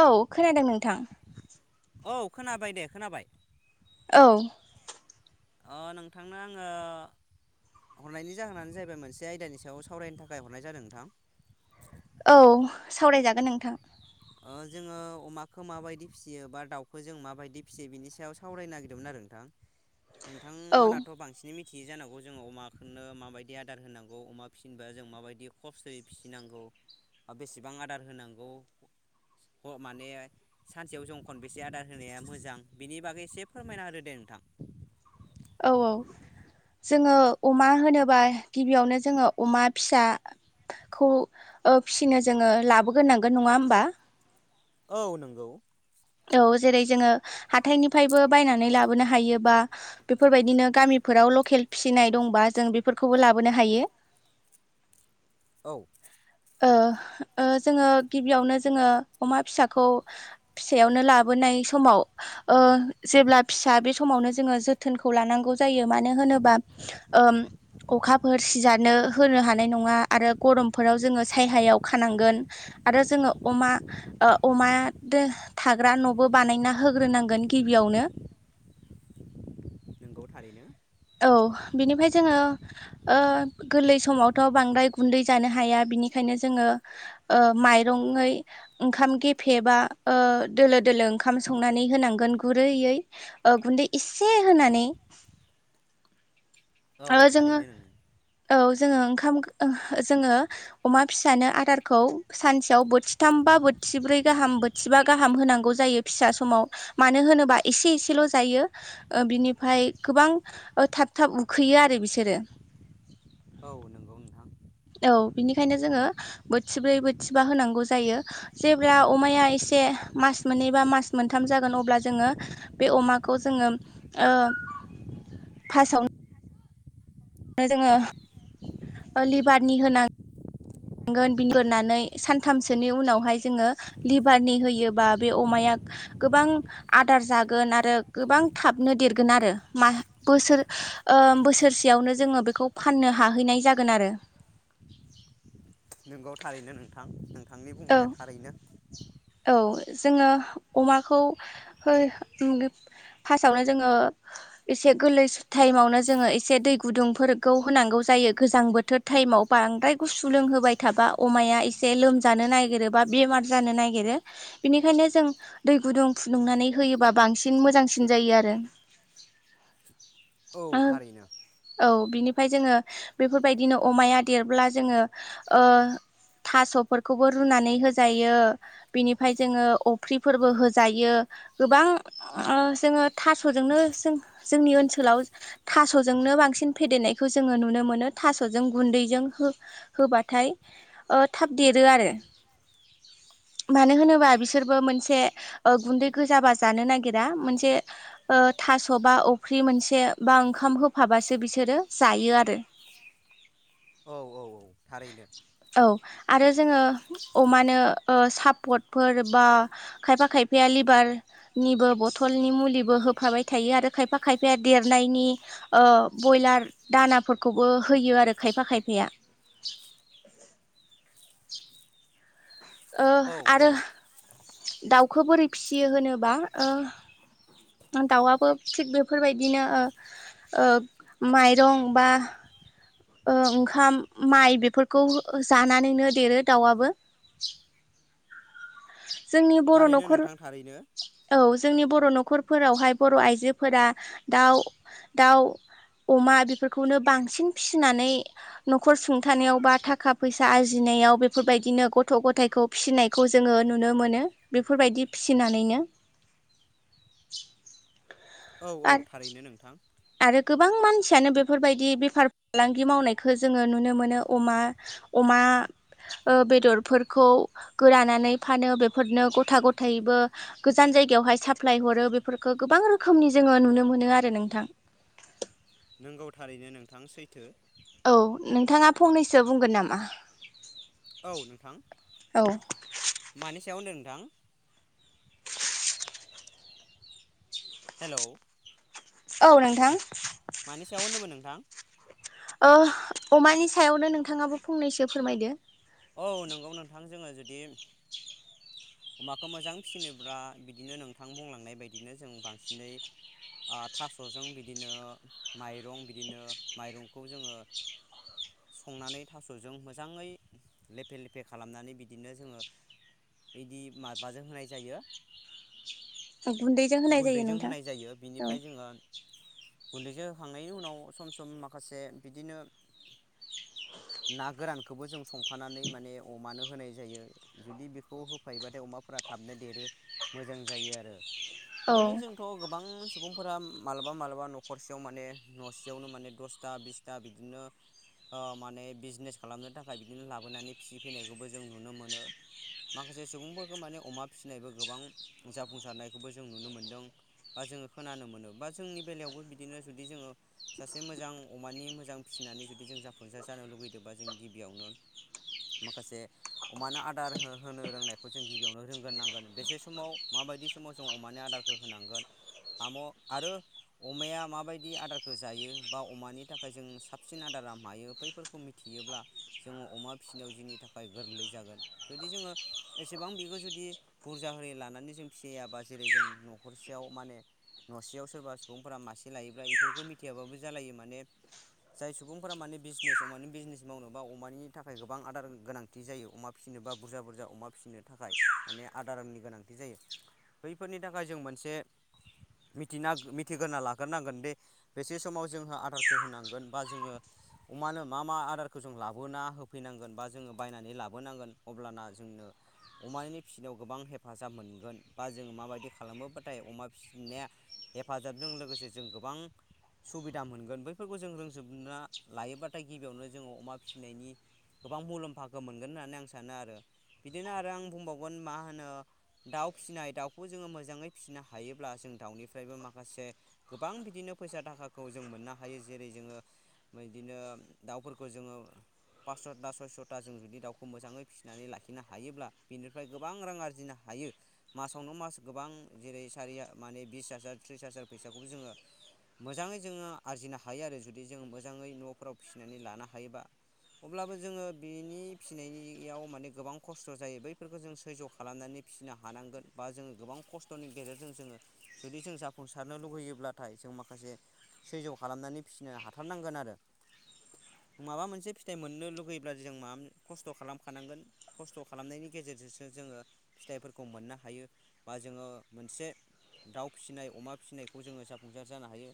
औ खोनादों नोंथां। औ खोनाबाय दे खोनाबाय। औ अ नोंथांनो आङो हरनायनि जाहोनानो जाहैबाय मोनसे आयदानि सायाव सावरायनो थाखाय हरनाय जादों नोंथां। औ सावरायजागोन नोंथां। ओ जोङो अमाखो माबायदि फिसियो बा दाउखो जों माबायदि फिसियो बिनि सायाव सावरायनो नागिरदोंमोन आरो नोंथां। औ नोंथांमोनाथ' बांसिनै मिथ थियो जानांगौ जोङो अमाखोनो माबायदि आदार होनांगौ अमा फिसिनोबा जों माबायदि खस्थयै फिसिनांगौ ओ बेसेबां आदार होनांगौ ह माने सानसेयाव जों खनबेसे आदार होनाया मोजां बिनि बागै एसे फोरमायना होदो दे नोंथां। औ औ जोङो अमा होनोबा गिबियावनो जोङो अमा फिसा। खौ ओ फिसिनो जोङो लाबोगोनांगोन नङा ओमबा, औ नोंगौ। औ जेरै जोङो हाथायनिफ्रायबो बायनानै लाबोनो हायो बा। बेफोरबायदिनो गामिफोराव लखेल फिसिनाय दंबा जों बेफोरखौबो लाबोनो हायो। औ ओ ओ जोङो गिबियावनो जोङो अमा फिसाखौ। फिसायावनो लाबोनाय समाव, ओ जेब्ला फिसा बे समावनो जोङो जोथोनखौ लानांगौ जायो मानो होनोबा। ओ अखाफोर सिजानो होनो हानाय नङा आरो गरमफोराव जोङो। सायहायाव खानांगोन आरो जोङो अमा, ओ अमा दो थाग्रा न'बो बानायना होग्रोनांगोन गिबियावनो। नोंगौ थारैनो। औ बिनिफ्राय जोङो। ओ गोरलै समावथ' गुन्दै जानो बिनिखायनो जोङो। ओ माइरङै। ओंखाम गेफेबा ओ दोलो दोलो ओंखाम संनानै होनांगोन गुरैयै। ओ गुन्दै इसे होनानै। औ ओ जोङो। थारैनो नों औ जोङो ओंखाम जोङो अमा फिसानो आदारखौ, सानसेयाव बोथिथाम बा बोथिब्रै गाहाम बोथिबा गाहाम होनांगौ जायो फिसा समाव। मानो होनोबा एसे एसेल' जायो ओ बिनिफ्राय गोबां थाब थाब उ उखैयो आरो बिसोरो। औ नोंगौ नोंथां। औ बिनिखायनो जोङो बोथिब्रै बोथिबा होनांगौ जायो। जेब्ला अमाया एसे मास मोननै बा मास मोनथाम जागोन अब्ला जोङो। बे अमाखौ जोङो ओ फारस्ट आवनो, ओ जोङो लिभारनि होना गोन बिनग्रोननानै सानथामसोनि उनावहाय जोङो लिभारनि होयोबा बे अमाया। गोबां आदार जागोन आरो गोबां थाबनो देरगोन आरो मा बोसोर ओ बोसोरसेयावनो जोङो बेखौ फाननो हाहैनाय जागोन आरो। नोंगौ थारैनो नोंथां नोंथांनि औ बुंनाया थारैनो। औ जोङो अमाखौ है फार्स्टआवनो जोङो। एसे गोरलै टाइमावनो जोङो एसे दै गुदुंफोरखौ होनांगौ जायो गोजां बोथोर, टाइमाव बांद्राय गुसु लोंहोबाय थाबा अमाया एसे लोमजानो नागिरोबा बेमार जानो ना नागेरो बिनिखायनो जों। दै गुदुं फुदुंनानै होयोबा बांसिन मोजांसिन जायो आरो। औ थारैनो। औ बिनिफ्राय जोङो बेफोरबायदिनो अमाया देरब्ला जोङो ओ, थास'फोरखौबो रुनानै होजायो। बिनिफ्राय जोङो अफ्रिफोरबो होजायो गोबां। ओ जोङो थास'जोंनो जों जोंनि ओनसोलाव। थास'जोंनो बांसिन फेदेरनायखौ जोङो नुनो मोनो थास'जों गुन्दैजों हो होबाथाय ओ थाब देरो आरो। मानो होनोबा बिसोरबो मोनसे ओ गुन्दै गोजाबा जानो नागिरा मोनसे ओ थास'बा, अफ्रि मोनसे बा ओंखाम होफाबासो बिसोरो जायो आरो। औ औ औ थारैनो। औ आरो जोङो अमानो ओ सापटफोर बा खायफा खायफाया लिभार निबो बथलनि मुलिबो होफाबाय थायो आरो खायफा खायफाया देरनायनि ओ बयलार दानाफोरखौबो होयो आरो खायफा खायफाया। [inaudible] ओ औ औ आरो दाउखौ बोरै फियो होनोबा ओ दाउआबो थिग बेफोरबायदिनो ओ ओ माइरं बा ओ ओंखाम माइ बेफोरखौ जानानैनो देरो दाउआबो। [inaudible] जोंनि बर' थारैनो न'खर नोंथां थारैनो। औ जोंनि बर' न'खरफोरावहाय बर' आइजोफोरा दाउ दाउ अमा बेफोरखौनो बांसिन फिसिनानै न'खर सुंथानायाव बा थाखा फैसा आरजिनायाव बेफोरबायदिनो गथ' गथायाइखौ फिसिनायखौ जोङो नुनो मोनो बेफोरबायदि फिसिनानैनो औ औ आरो थारैनो नोंथां। आरो गोबां मानसियानो बेफोरबायदि बेफार फालांगि मावनायखौ जोङो नुनो मोनो अमा अमा ओ बेदरफोरखौ गोरानानै फानो बेफोरनो गथा गथायैबो गोजान जायगायावहाय साप्लाय हरो बेफोरखौ गोबां रोखोमनि जोङो नुनो मोनो आरो नोंथां। नंगौ थारैनो नोंथां सैथो। औ नोंथाङा फंनैसो बुंगोन नामा? औ नोंथां औ मानि सायाव होनदों नोंथां? हेलौ। औ नोंथां। मानि सायाव होनदोंमोन नोंथां? ओ अमानि सायावनो नोंथाङाबो फंनैसो फोरमायदो। औ नंगौ नोंथां जोङो जुदि अमाखौ मोजां फिसिनोब्ला बिदिनो नोंथां बुंलांनाय बायदिनो जों बांसिनै ओ थास'जों बिदिनो माइरं बिदिनो माइरंखौ जोङो संनानै थास'जों मोजाङै लेफे लेफे खालामनानै बिदिनो जोङो बिदि माबाजों होनाय जायो। गुन्दैजों होनाय जायो गुन्दैजों नोंथां होनाय जायो औ बिनिफ्राय जोङो गुन्दैजों होखांनायनि उनाव सम सम माखासे बिदिनो ना गोरानखौबो जों संफानानै माने अमानो होनाय जायो जुदि बेखौ हो फायोबाथाय अमाफोरा थाबनो देरो मोजां जायो आरो औ बिदिनो जों थ' गोबां सुबुंफोरा मालाबा मालाबा न'खरसेयाव माने न'सेयावनो माने दसथा बिस ता बिदिनो ओ माने बिजनेस खालामनो थाखाय बिदिनो लाबोनानै फिसिफैनायखौबो जों नुनो मोनो। माखासे सुबुंफोरखौ माने अमा फिसिनायबो गोबां जाफुंसारनायखौ बो जों नुनो मोनदों। बा जोङो खोनानो मोनो बा जोंनि बेलायावबो बिदिनो जुदि जोङो सासे मोजां अमानि मोजां फिसिनानै जुदि जों जाफुंसार जानो लुगैदोंबा जों गिबियावनो माखासे अमानो आदार हो होनो रोंनायखौ जों गिबियावनो रोंग्रोनांगोन बेसे समाव माबायदि समाव जों अमानि आदारखौ होनांगोन हाम' आरो अमाया माबायदि आदारखो जायो बा अमानि थाखाय जों साबसिन आदारा मायो बैफोरखौ मि थियोब्ला जोंङो अमा फिसिनायाव जोंनि थाखाय गोरलै जागोन जुदि जोंङो एसेबां बेखौ जुदि बुरजा होयो लानानै जों फिसियाबा जेरै जों न'खरसेयाव माने न'सेयाव सोरबा सुबुंफोरा मासे लायोब्ला इफोरखौ मिथियाबाबो जालायो माने जाय सुबुंफोरा माने बिजनेस अमानि बिजनेस मावनोबा अमानि थाखाय गोबां आदार गोनां थि जायो अमा फिसिनोबा बुरजा बुरजा अमा फिसिनो थाखाय माने आदारनि गोनांथि जायो। बैफोरनि थाखाय जों मोनसे मिथिना मिथिग्रोना लाग्रोनांगोन दि बेसे समाव जोंहा आदारखौ होनांगोन बा जोंङो अमानो मा मा आदारखौ जों लाबोना होफैनांगोन बा जोंङो बायनानै लाबोनांगोन अब्लाना जोंनो अमानि फिसिनायाव गोबां हेफाजाब मोनगोन बा जोंङो माबायदि खालामबा पातायनाया अमा फिसिनाया हेफाजाबजों लोगोसे जों गोबां सुबिदा मोनगोन बैफोरखौ जों रोंजोबना लायोबाथाय गिबियावनो जोंङो अमा फिसिनायनि गोबां मुलाम्फाखो मोनगोन होननानै आं सानो आरो बिदिनो आरो आं बुंबावगोन मा होनो दाउ फिसिनाय दाउखौ जोंङो मोजाङै फिसिनो हायोब्ला जों दाउनिफ्रायबो माखासे गोबां बिदिनो फैसा थाखाखौ जों मोननो हायो जेरै जोंङो बिदिनो दाउफोरखौ जोंङो पास्स'दा सयस'था जों जुदि दउखौ मोजाङै फिसिनानै ला खिनो हायोब्ला बिनिफ्राय गोबां रां आरजिनो हायो। मासावनो मास गोबां जेरै सारि माने बिस हाजार त्रिस हाजार फैसाखौबो जोंङो मोजाङै जोंङो आरजिनो हायो आरो जुदि जोंङो मोजाङै न'फोराव फिसिनानै लानो हायोबा अब्लाबो जोंङो बिनि फिसिनायनियाव माने गोबां खस्थ' जायो बैफोरखो जों सैज्य खालामनानै फिसिनो हानांगोन बा जोंङो गोबां खस्थ'नि गेजेरजों जोंङो जुदि जों जाफुंसारनो लुुगैयोब्लाथाय जों माखासे सैज्य खालामनानै फिसिनो हाथारनांगोन आरो। माबा मोनसे फिथाइ मोननो लुगैब्ला जों माम खस्थ' खालामखानांगोन। खस्थ' खालामनायनि गेजेरजोंसो जोंङो फिथाइफोरखौ मोननो हायो बा जोंङो मोनसे दाउ फिसिनाय अमा फिसिनायखौ जोंङो जाफुंसार जानो हायो।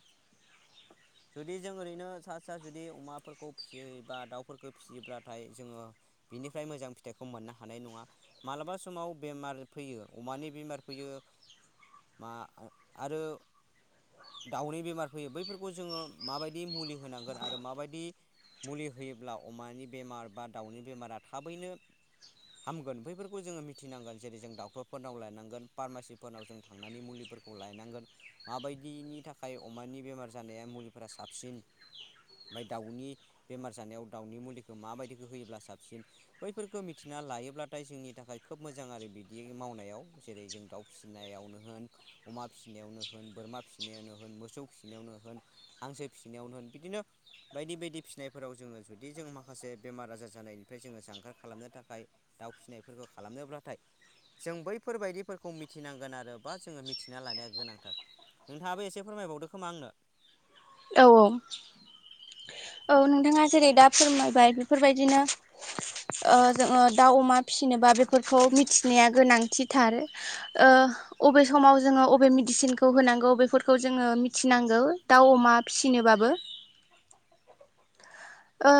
जुदि जों ओरैनो सा सा जुदि अमाफोरखौ फिसियै बा दाउफोरखो फिसियोब्लाथाय जोंङो बिनिफ्राय मोजां फि थाइखौ मोननो हानाय नङा मालाबा समाव बेमार फैयो अमानि बेमार फैयो मा आरो दाउनि बेमार फैयो बैफोरखौ जोंङो माबायदि मुलि होनांगोन आरो माबायदि मुलि होयोब्ला अमानि बेमार बा दाउनि बेमारा थाबैनो हामगोन बैफोरखौ जोंङो मिथिनांगोन जेरै जों डाक्टरफोरनाव लायनांगोन फार्मासिफोरनाव जों थांनानै मुलिफोर खौ लायनांगोन माबायदिनि थाखाय अमानि बेमार जानाया मुलिफोरा साबसिन ओमफाय दाउनि बेमार जानायाव दाउनि मुलिखो माबायदिखो होयोब्ला साबसिन बैफोरखो मि थिना लायोब्लाथाय जोंनि थाखाय खोब मोजां आरो बिदि मावनायाव जेरै जों दाउ फिसिनायावनो होन अमा फिसिनायावनो होन, बोरमा फिसिनायावनो होन, मोसौ फिसिनायावनो होन हांसो फिसिनायाव होन बिदिनो बायदि बायदि फिसिनायफोराव जोङो जुदि जों माखासे बेमार आजार जानायनिफ्राय जोङो जानगार खालामनो था खाय दाउ फिसिनायफोरखौ खालामनोब्लाथाय जों बैफोरबायदिफोरखौ मिथिनांगोन आरो बा जोङो मिथिना लानाया गोनांथार। नोंथाङाबो एसे फोरमायबावदो खोमा आंनो। औ औ औ नोंथाङा जेरै दा फोरमायबाय बेफोरबायदिनो ओ जोङो दाउ अमा फिसिनोबा बेफोरखौ मिथिनाया गोनांथिथार। ओ अबे समाव जोङो अबे मेडिसिनखौ होनांगौ बेफोरखौ जोङो मिथिनांगौ दाउ अमा फिसिनोबाबो। ओ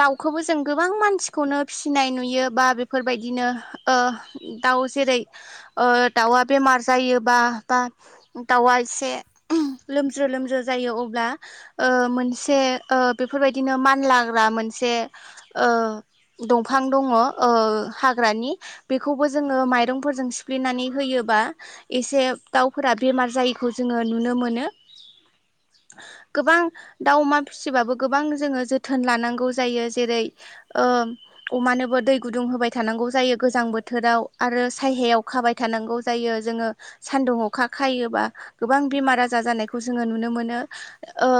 दाउखोबो जों गोबां मानसिखौनो फिसिनाय नुयो बा बेफोरबायदिनो ओ दाउ जेरै ओ दाउआ बेमार जायोबा बा दाउआ एसे [unintelligible] लोमज्रो लोमज्रो जायो अब्ला ओ मोनसे ओ बेफोरबायदिनो मानलाग्रा मोनसे ओ दंफां दङ' ओ हाग्रानि। बेखौबो जोङो माइरंफोरजों सिफ्लेनानै होयोबा एसे दाउफोरा बेमार जायैखौ जोङो नुनो मोनो। गोबां दाउ अमा फिसिबाबो गोबां जोङो जोथोन लानांगौ जायो जेरै ओ अमानोबो दै गुदुं होबाय थानांगौ जायो गोजां बोथोराव आरो सायहायाव खाबाय थानांगौ जायो जोङो सान्दुं अखा खायोबा गोबां बेमार आजार जानायखौ जोङो नुनो मोनो। ओ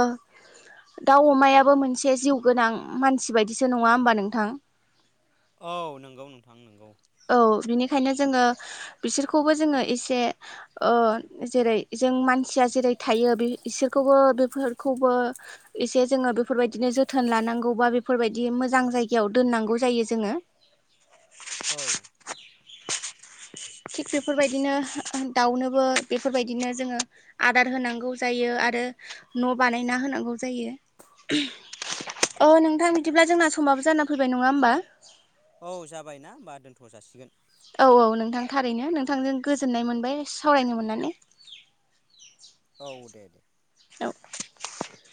दाउ अमायाबो मोन एसे जिउ गोनां मानसि बायदिसो नङा होमबा नोंथां? औ नंगौ नोंथां नंगौ। औ बिनिखायनो जोङो बिसोरखौबो जोङो एसे ओ जेरै जों मानसिया जेरै थायो बि इसोरखौबो बेफोरखौबो एसे जोङो बेफोरबायदिनो जोथोन लानांगौ बा बेफोरबायदि मोजां जायगायाव दोननांगौ जायो जोङो औ। थिग बेफोरबायदिनो दाउनोबो बेफोरबायदिनो जोङो आदार होनांगौ जायो आरो न' बानायना होनांगौ जायो। [unintelligible] अ नोंथां बिदिब्ला जोंना समाबो जाना फैबाय नङा होमबा? औ जाबायना होमबा दोनथ' जासिगोन। औ औ नोंथां थारैनो नोंथांजों गोजोननाय मोनबाय सावरायनो मोननानै। औ दे दे। औ।